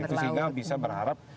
sehingga bisa berharap